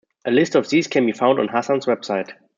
A list of these can be found on Hassan's website.